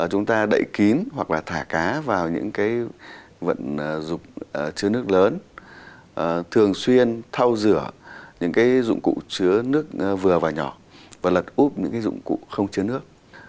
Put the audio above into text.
chúng ta đậy kín hoặc là thả cá vào những vận dụng chứa nước lớn thường xuyên thao rửa những dụng cụ chứa nước vừa và nhỏ và lật úp những dụng cụ không chứa nước